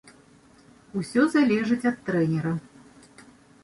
Усе залежыць ад трэнера.